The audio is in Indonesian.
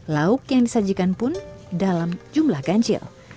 lauk yang disajikan pun dalam jumlah ganjil